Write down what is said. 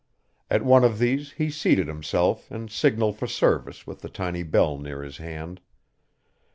At one of these he seated himself and signaled for service with the tiny bell near his hand.